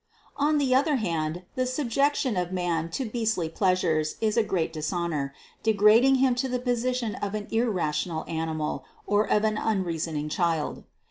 On the other hand, the subjection of man to beastly pleasures is a great dishonor, degrading him to the position of an irrational animal or of an unreasoning child.